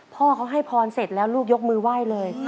พ่อเขาให้พรเสร็จแล้วลูกยกมือไหว้เลย